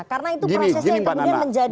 karena itu prosesnya kemudian menjadi